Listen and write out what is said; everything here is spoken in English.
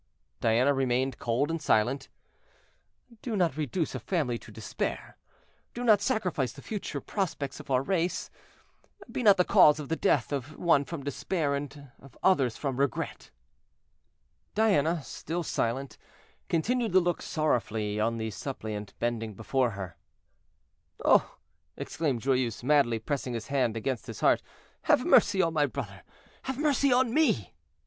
Diana remained cold and silent. "Do not reduce a family to despair, do not sacrifice the future prospects of our race; be not the cause of the death of one from despair, of the others from regret." Diana, still silent, continued to look sorrowfully on the suppliant bending before her. "Oh!" exclaimed Joyeuse, madly pressing his hand against his heart, "have mercy on my brother, have mercy on me!"